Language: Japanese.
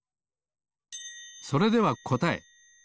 それではこたえ。